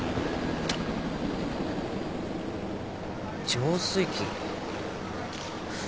浄水器。